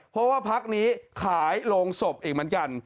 เพราะว่าพักนี้ขายโรงศพอีกเหมือนกัน